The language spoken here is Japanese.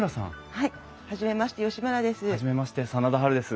はい初めまして吉村です。